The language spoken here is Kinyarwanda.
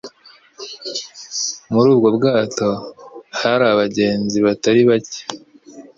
Muri ubwo bwato hari abagenzi batari bake.